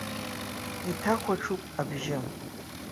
Иҭахәаҽуп абжьы.